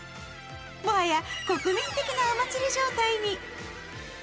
もはや国民的なお祭り状態に。